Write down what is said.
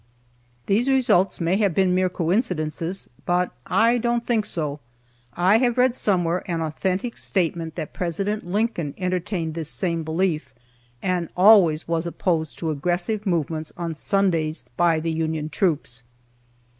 These results may have been mere coincidences, but I don't think so. I have read somewhere an authentic statement that President Lincoln entertained this same belief, and always was opposed to aggressive movements on Sundays by the Union troops.